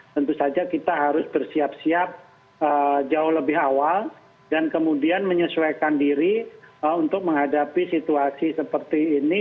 tentu saja kita harus bersiap siap jauh lebih awal dan kemudian menyesuaikan diri untuk menghadapi situasi seperti ini